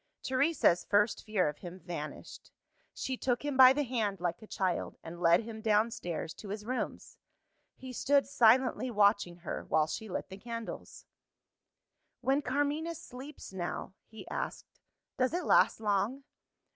Teresa's first fear of him vanished. She took him by the hand like a child, and led him downstairs to his rooms. He stood silently watching her, while she lit the candles. "When Carmina sleeps now," he asked, "does it last long?"